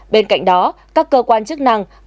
bên cạnh đó các cơ quan chức năng